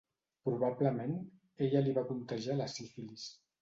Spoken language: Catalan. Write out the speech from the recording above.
Probablement, ella li va contagiar la sífilis.